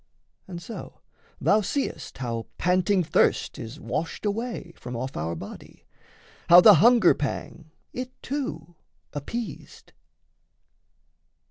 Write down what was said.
And so, Thou seest how panting thirst is washed away From off our body, how the hunger pang It, too, appeased.